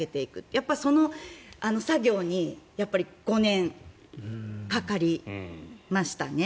やっぱり、その作業に５年かかりましたね。